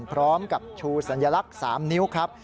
พร้อมกับชูสัญลักษณ์๓นิ้วครับ